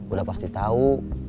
udah pasti tau